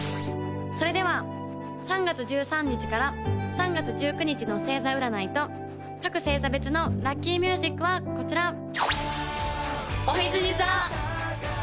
それでは３月１３日から３月１９日の星座占いと各星座別のラッキーミュージックはこちら！